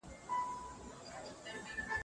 هر څوک د خپل مال مالک دی.